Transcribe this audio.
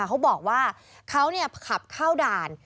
เขาบอกว่าเขาขับเข้าด่าน